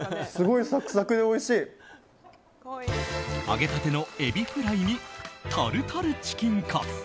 揚げたてのエビフライにタルタルチキンカツ。